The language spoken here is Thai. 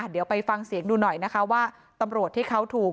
เดี๋ยวไปฟังเสียงดูหน่อยนะคะว่าตำรวจที่เขาถูก